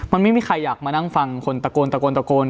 มันไม่มีใครอยากมานั่งฟังคนตะโกนตะโกนตะโกน